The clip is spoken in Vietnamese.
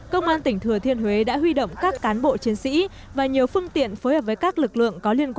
công an tỉnh thừa thiên huế đã huy động các cán bộ chiến sĩ và nhiều phương tiện phối hợp với các lực lượng